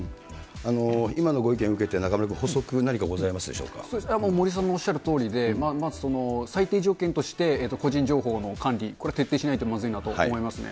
今のご意見を受けて、中丸君、森さんのおっしゃるとおりで、まず最低条件として、個人情報の管理、これ徹底しないとまずいなと思いますね。